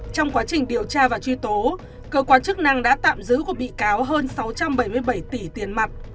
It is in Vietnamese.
trong quá trình điều tra và truy tố cơ quan chức năng đã tạm giữ của bị cáo hơn sáu trăm bảy mươi bảy tỷ tiền mặt